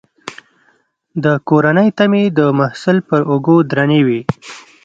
د کورنۍ تمې د محصل پر اوږو درنې وي.